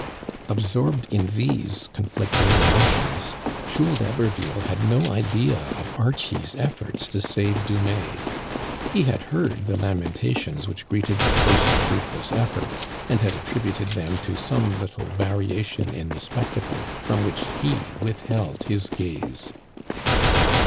Absorbed in these conflicting emotions, Jules d'Hab erville had no idea of Archie's efibrts to save Dumais, He had heard the lamentations which greeted the first fruitless effort, and had attributed them to some little variation in the spectacle from which he withheld his gaze.